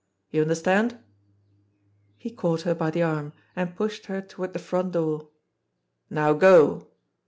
You understand?" He caught her by the arm, and pushed her toward the front door. "Now go